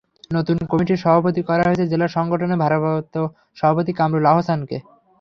নতুন কমিটির সভাপতি করা হয়েছে জেলা সংগঠনের ভারপ্রাপ্ত সভাপতি কামরুল আহসানকে।